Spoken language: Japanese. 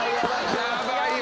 ヤバいよ。